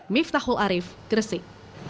miftahul arif kresik